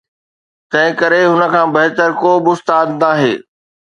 تنهن ڪري هن کان بهتر ڪو به استاد ناهي.